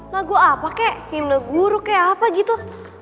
lagu apa kek himna guru kek apa gitu